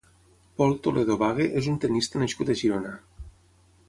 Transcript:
Pol Toledo Bague és un tennista nascut a Girona.